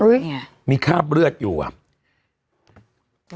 อืมมีคราบเลือดอยู่ว่ะ